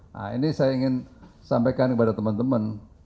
nah ini saya ingin sampaikan kepada teman teman